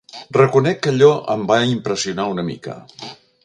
Reconec que allò em va impressionar una mica.